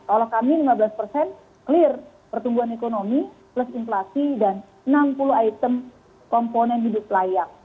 kalau kami lima belas persen clear pertumbuhan ekonomi plus inflasi dan enam puluh item komponen hidup layak